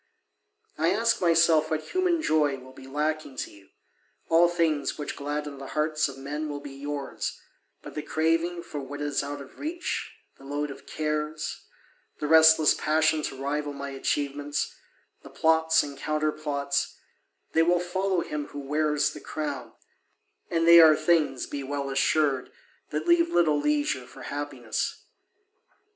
I ask myself what human joy will be lacking to you: all things which gladden the hearts of men will be yours but the craving for what is out of reach, the load of cares, the restless passion to rival my achievements, the plots and counterplots, they will follow him who wears the crown, and they are things, be well assured, that leave little leisure for happiness.